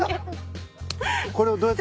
これをどうやって。